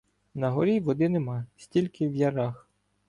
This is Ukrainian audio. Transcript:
На горі води нема, стільки в ярах.